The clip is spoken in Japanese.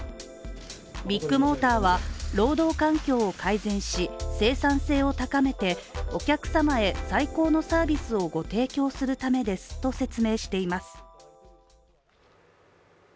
ビッグモーターは、労働環境を改善し生産性を高めてお客様へ最高のサービスをご提供するためですと説明しています。